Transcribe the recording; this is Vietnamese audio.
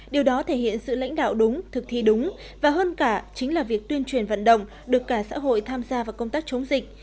điều đó thể hiện sự lãnh đạo đúng thực thi đúng và hơn cả chính là việc tuyên truyền vận động được cả xã hội tham gia vào công tác chống dịch